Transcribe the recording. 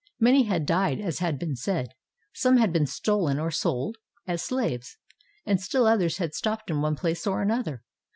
Many had died, as has been said; some had been stolen or sold as slaves, and still others had stopped in one place or another.